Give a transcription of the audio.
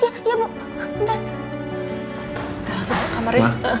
langsung ke kamarnya